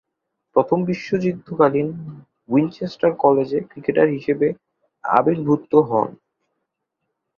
প্রথম বিশ্বযুদ্ধকালীন উইনচেস্টার কলেজে ক্রিকেটার হিসেবে আবির্ভূত হন।